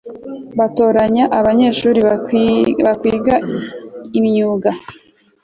batoranya abanyeshuri bakwiga imyuga